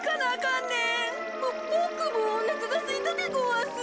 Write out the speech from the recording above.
ボボクもおなかがすいたでごわす。